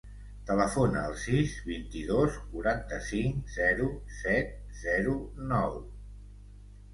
Telefona al sis, vint-i-dos, quaranta-cinc, zero, set, zero, nou.